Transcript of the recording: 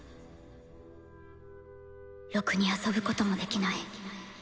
ろくに遊ぶこともできない。